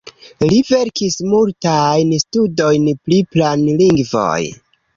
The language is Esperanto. Li verkis multajn studojn pri planlingvoj.